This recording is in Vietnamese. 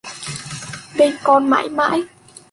Bên con mãi mãi